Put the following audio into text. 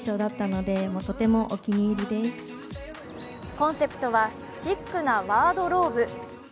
コンセプトはシックなワードローブ。